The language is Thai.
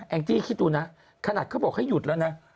งจี้คิดดูนะขนาดเขาบอกให้หยุดแล้วนะ